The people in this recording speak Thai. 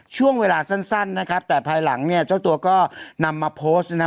ช่วงเวลาสั้นนะครับแต่ภายหลังเนี่ยเจ้าตัวก็นำมาโพสต์นะ